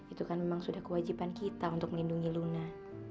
itu kan memang sudah kewajiban kita untuk melindungi luna